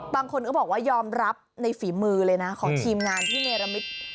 บางคนก็บอกว่ายอมรับในฝีมือเลยนะของทีมงานที่เนรมิต